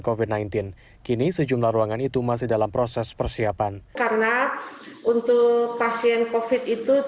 covid sembilan belas kini sejumlah ruangan itu masih dalam proses persiapan karena untuk pasien covid itu